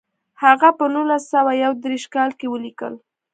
هغه په نولس سوه یو دېرش کال کې ولیکل.